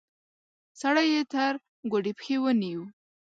سړی يې تر ګوډې پښې ونيو.